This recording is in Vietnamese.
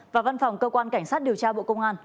và văn phòng cơ quan cảnh sát điều tra bộ công an